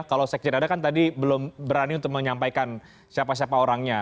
kalau sekjen ada kan tadi belum berani untuk menyampaikan siapa siapa orangnya